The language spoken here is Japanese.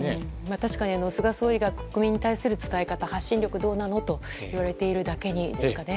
確かに菅総理が国民に対する伝え方発信力がどうなのといわれているだけにですかね。